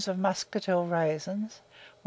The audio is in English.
of muscatel raisins, 1 3/4 lb.